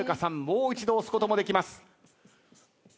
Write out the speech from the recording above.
もう一度押すこともできます。